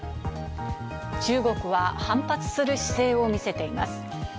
中国は反発する姿勢を見せています。